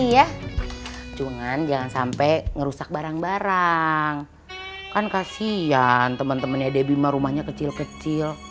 ya cuman jangan sampai ngerusak barang barang kan kasihan teman temannya debi ma rumahnya kecil kecil